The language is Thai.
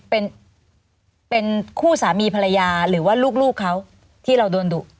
เป็นเป็นคู่สามีภรรยาหรือว่าลูกเขาที่เราโดนดุ